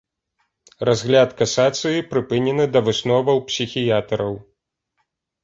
Разгляд касацыі прыпынены да высноваў псіхіятраў.